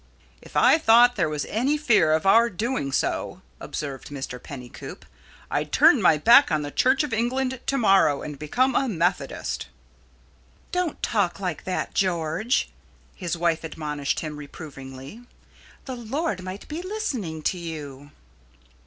"If I thought there was any fear of our doing so," observed Mr. Pennycoop, "I'd turn my back on the Church of England to morrow and become a Methodist." "Don't talk like that, George," his wife admonished him, reprovingly; "the Lord might be listening to you."